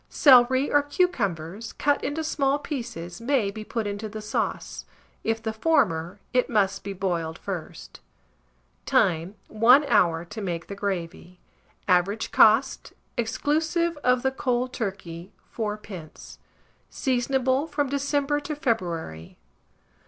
Celery or cucumbers, cut into small pieces, may be put into the sauce; if the former, it must be boiled first. Time. 1 hour to make the gravy. Average cost, exclusive of the cold turkey, 4d. Seasonable from December to February.